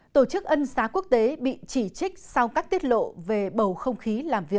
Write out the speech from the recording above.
tổ chức ân xá quốc tế bị cáo buộc điều gì